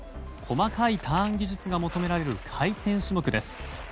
細かいターン技術が求められる回転種目です。